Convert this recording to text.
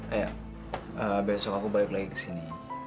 ayo besok aku balik lagi kesini